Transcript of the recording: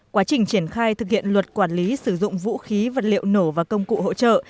quá trình triển khai thực hiện luật quản lý sử dụng vũ khí vật liệu nổ và công cụ hỗ trợ